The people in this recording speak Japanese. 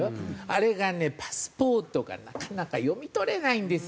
あれがねパスポートがなかなか読み取れないんですよ。